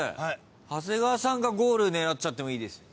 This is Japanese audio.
長谷川さんがゴール狙っちゃってもいいです。